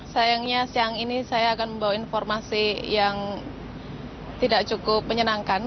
sayangnya siang ini saya akan membawa informasi yang tidak cukup menyenangkan